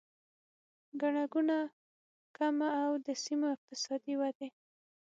ګڼه ګوڼه کمه او د سیمو اقتصادي ودې